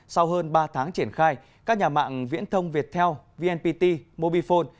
sau hơn ba tháng triển khai các nhà mạng viễn thông viettel vnpt mobifone